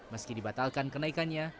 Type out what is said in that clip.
meski dibatalkan kenaikannya